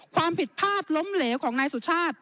ความผิดพลาดล้มเหลวของนายสุชาติ